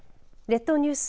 列島ニュース